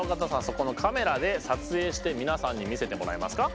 そこのカメラで撮影して皆さんに見せてもらえますか。